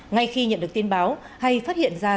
ngay khi nhận được tin báo hay phát hiện ra